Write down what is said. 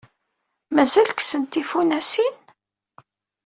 Mazal kessen tifunasin?